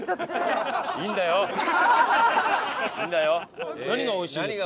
いいんだよ！